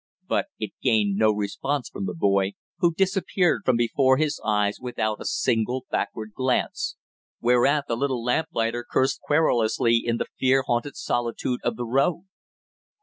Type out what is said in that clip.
But it gained him no response from the boy, who disappeared from before his eyes without a single backward glance; whereat the little lamplighter cursed querulously in the fear haunted solitude of the road.